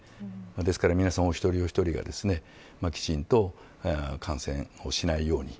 ですから、皆さんお一人お一人がきちんと感染をしないように。